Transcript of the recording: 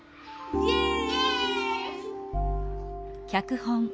イエイ！